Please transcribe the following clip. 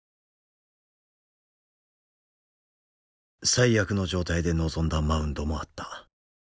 最悪の状態で臨んだマウンドもあった。